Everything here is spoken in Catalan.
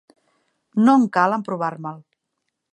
No em cal emprovar-me'l.